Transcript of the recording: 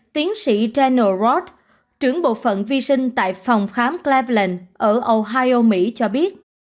tiến sĩ daniel roth trưởng bộ phận vi sinh tại phòng khám cleveland ở ohio mỹ cho biết